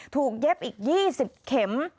เย็บอีก๒๐เข็ม